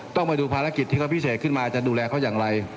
ต้องมาดูภารกิจที่เขาพิเศษขึ้นมาจะดูแลเขาอย่างไร